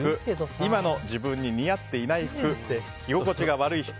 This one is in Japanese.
今の自分に似合っていない服着心地が悪い服